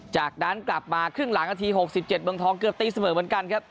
จากนั้นกลับมาครึ่งหลังนาที๖๗เมืองทองเกือบตีเสมอเหมือนกันครับ